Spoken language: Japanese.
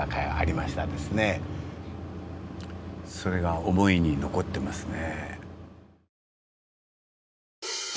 それが思いに残ってますね。